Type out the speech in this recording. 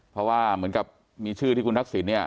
เพราะว่าเหมือนกับมีชื่อที่คุณทักษิณเนี่ย